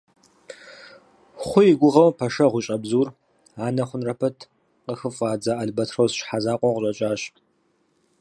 Хъу и гугъэу пэшэгъу ищӀа бзур, анэ хъунрэ пэт, къыхыфӀадза албэтрос щхьэзакъуэу къыщӀэкӀащ.